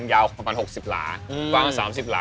ยาวประมาณ๖๐หลา